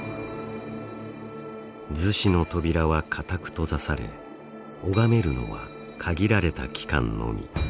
厨子の扉は固く閉ざされ拝めるのは、限られた期間のみ。